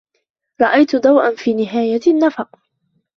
رأيت ضوءا في نهاية النفق.